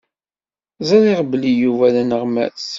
Ẓriɣ belli Yuba d aneɣmas.